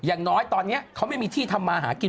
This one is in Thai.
อย่างน้อยตอนนี้เขาไม่มีที่ทำมาหากิน